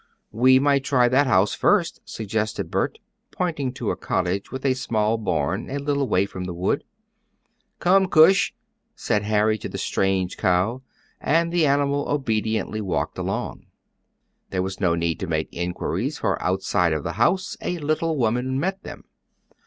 "We might try that house first," suggested Bert, pointing to a cottage with a small barn, a little way from the wood. "Come, Cush," said Harry, to the strange cow, and the animal obediently walked along. There was no need to make inquiries, for outside of the house a little woman met them.